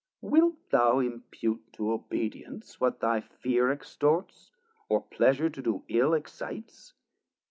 Wilt thou impute to obedience what thy fear Extorts, or pleasure to do ill excites?